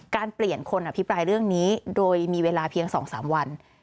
เปลี่ยนคนอภิปรายเรื่องนี้โดยมีเวลาเพียง๒๓วัน